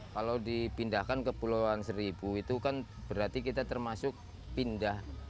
kalau dipindahkan ke pulauan seribu itu kan berarti kita termasuk pindah